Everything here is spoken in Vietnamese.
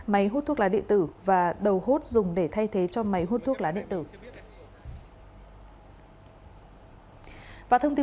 máy hút thuốc lá điện tử và đầu hút dùng để thay thế cho máy hút thuốc lá điện tử